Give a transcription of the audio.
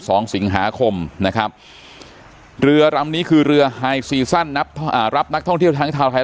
สองสิงหาคมนะครับเหลือลำนี้คือเรือนับอ่ารับนักท่องเที่ยวทางไทย